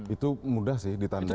itu mudah sih ditandai